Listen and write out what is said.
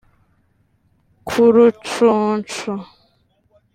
ku Rucunshu